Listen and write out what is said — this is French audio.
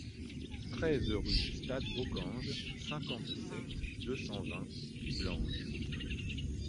treize rue du Stade Bockange, cinquante-sept, deux cent vingt, Piblange